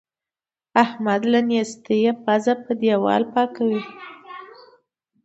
احمد له نېستۍ پزه په دېوال پاکوي.